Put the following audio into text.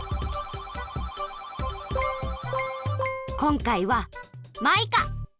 こんかいはマイカ！